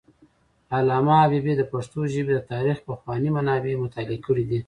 علامه حبیبي د پښتو ژبې د تاریخ پخواني منابع مطالعه کړي دي.